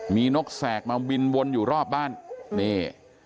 มีนกแสกมาบินวนอยู่รอบบ้านนี่